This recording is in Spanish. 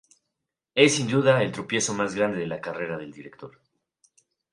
Es sin duda el tropiezo más grande de la carrera del director.